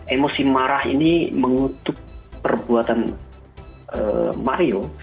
emosi marah ini mengutuk perbuatan mario